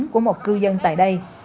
của một cư dân tại đây